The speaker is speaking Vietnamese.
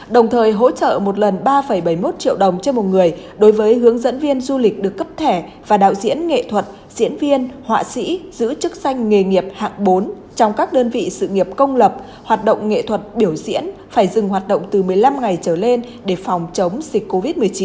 đồng thời hỗ trợ một lần ba bảy mươi một triệu đồng trên một người đối với hướng dẫn viên du lịch được cấp thẻ và đạo diễn nghệ thuật diễn viên họa sĩ giữ chức sanh nghề nghiệp hạng bốn trong các đơn vị sự nghiệp công lập hoạt động nghệ thuật biểu diễn phải dừng hoạt động từ một mươi năm ngày trở lên để phòng chống dịch covid một mươi chín